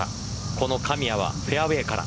この神谷はフェアウエーから。